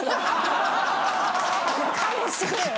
勘弁してくれよ。